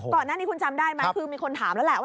ก่อนหน้านี้คุณจำได้ไหมคือมีคนถามแล้วแหละว่า